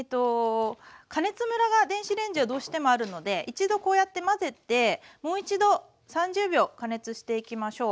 加熱ムラが電子レンジはどうしてもあるので一度こうやって混ぜてもう一度３０秒加熱していきましょう。